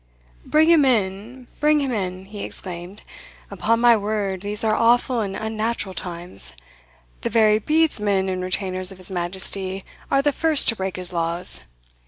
"Bring him in! bring him in!" he exclaimed. "Upon my word these are awful and unnatural times! the very bedesmen and retainers of his Majesty are the first to break his laws.